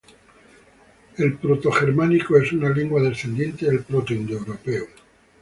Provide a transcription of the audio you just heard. El protogermánico es una lengua descendiente del protoindoeuropeo.